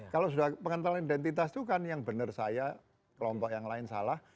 kalau sudah pengentalan identitas itu kan yang benar saya kelompok yang lain salah